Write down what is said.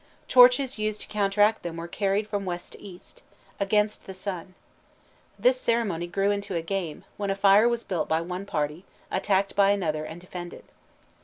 Torches used to counteract them were carried from west to east, against the sun. This ceremony grew into a game, when a fire was built by one party, attacked by another, and defended.